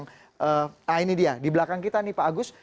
nah ini dia di belakang kita nih pak agus